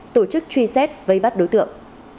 tổ chức truy xét với bắt đối tượng